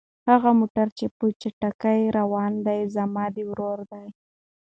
هغه موټر چې په چټکۍ روان دی زما د ورور دی.